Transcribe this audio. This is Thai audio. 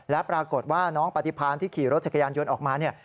และปรากฏว่าน้องปฏิพาณที่ขี่รถจักรยานยนต์ออกมาเนี่ย